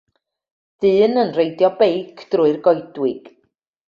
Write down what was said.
dyn yn reidio beic drwy'r goedwig.